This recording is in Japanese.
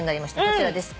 こちらです。